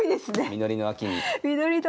実りの秋に。